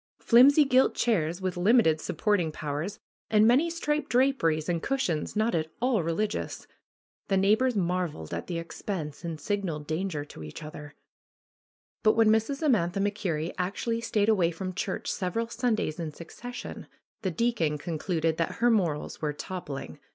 flimsy gilt chairs with limited supporting powers and many striped draperies and cushions not at all religious. The neighbors marveled at the expense and signaled danger to each other. But when Mrs. Amantha MacKerrie actually stayed away from church several Sundays in succession the deacon concluded that her morals were toppling.